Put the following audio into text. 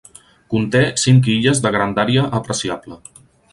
Conté cinc illes de grandària apreciable.